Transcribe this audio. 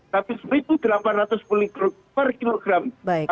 tapi satu delapan ratus puli per kilogram